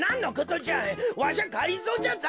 わしゃがりぞーじゃぞってか。